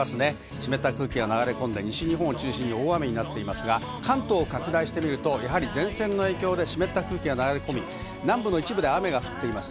湿った空気が流れ込んで、西日本を中心に大雨になっていますが、関東拡大してみると、やはり前線の影響で湿った空気が流れ込み、南部の一部で雨が降っています。